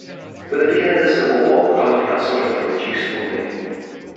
With the beginning of the Civil War, the college began suffering from reduced funding.